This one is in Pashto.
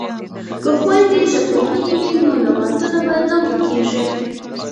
که خویندې ژبپوهې وي نو لغاتونه به نه ورکیږي.